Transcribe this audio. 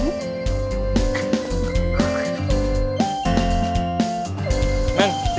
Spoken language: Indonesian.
aku juga sayang kamu